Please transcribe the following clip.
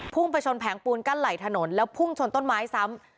ไปชนแผงปูนกั้นไหล่ถนนแล้วพุ่งชนต้นไม้ซ้ำ